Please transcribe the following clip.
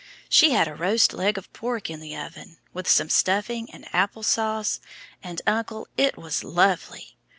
She had a roast leg of pork in the oven, with some stuffing and apple sauce, and, uncle, it was lovely!